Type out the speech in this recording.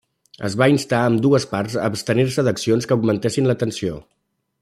Es va instar a ambdues parts a abstenir-se d'accions que augmentessin la tensió.